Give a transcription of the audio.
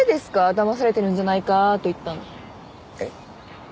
「だまされてるんじゃないか」と言ったのえっ？